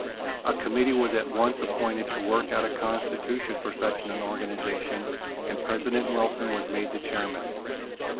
A committee was at once appointed to work out a constitution for such an organization and President Wilson was made the chairman.